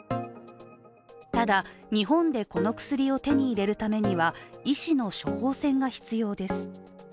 ただ、日本でこの薬を手に入れるためには医師の処方箋が必要です。